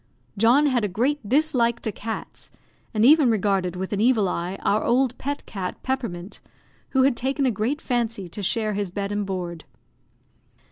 John had a great dislike to cats, and even regarded with an evil eye our old pet cat, Peppermint, who had taken a great fancy to share his bed and board.